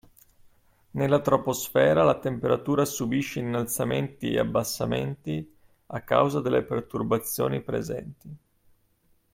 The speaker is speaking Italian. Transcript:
Nella troposfera la temperatura subisce innalzamenti e abbassamenti a causa delle perturbazioni presenti.